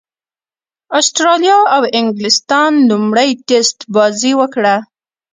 اسټراليا او انګليستان لومړۍ ټېسټ بازي وکړه.